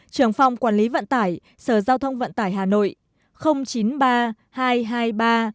đồng phòng quản lý vận tải sở giao thông vận tải hà nội chín mươi ba hai trăm hai mươi ba một nghìn sáu trăm tám mươi ba